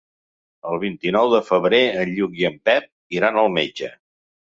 El vint-i-nou de febrer en Lluc i en Pep iran al metge.